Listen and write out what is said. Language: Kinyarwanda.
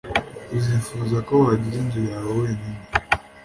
Uzifuza ko wagira inzu yawe wenyine.